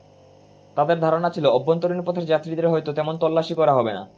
তাঁদের ধারণা ছিল, অভ্যন্তরীণ পথের যাত্রীদের হয়তো তেমন তল্লাশি করা হবে না।